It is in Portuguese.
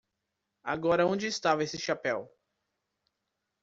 Agora onde estava esse chapéu?